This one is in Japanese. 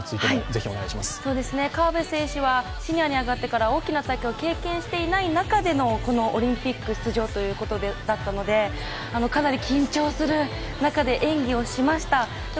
河辺選手はシニアに上がってから大きな大会を経験していない中でのこのオリンピック出場ということだったので、かなり緊張する中で演技をしました。